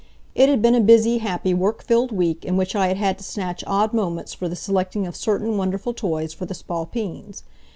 It had been a busy, happy, work filled week, in which I had had to snatch odd moments for the selecting of certain wonderful toys for the Spalpeens.